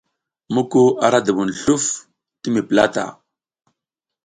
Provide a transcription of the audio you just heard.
Muku a la dubun sluf ti mi plata.